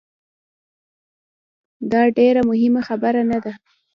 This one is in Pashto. داډیره مهمه خبره نه ده